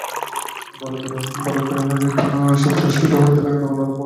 যখনই বালকের হৃৎপদ্ম প্রস্ফুটিত হইতে আরম্ভ হইল, অমনি তিনি চলিয়া গেলেন।